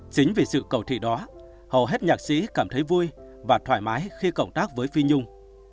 chính vì sự cầu thị đó hầu hết nhạc sĩ cảm thấy vui và thoải mái khi cộng tác với phi nhung